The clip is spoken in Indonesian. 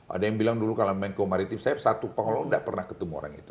ada yang bilang dulu kalau menko maritim saya satu pengelola tidak pernah ketemu orang itu